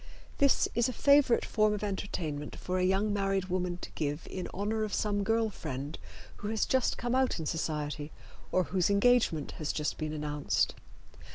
This is a favorite form of entertainment for a young married woman to give in honor of some girl friend who has just come out in society or whose engagement has just been announced.